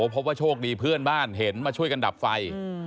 พบว่าโชคดีเพื่อนบ้านเห็นมาช่วยกันดับไฟ